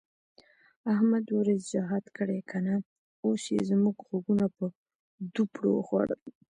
احمد دوه ورځې جهاد کړی که نه، اوس یې زموږ غوږونه په دوپړو وخوړل.